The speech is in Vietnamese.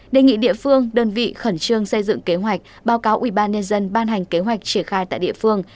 đề nghị địa phương đơn vị khẩn trương xây dựng kế hoạch báo cáo ubnd ban hành kế hoạch triển khai tại địa phương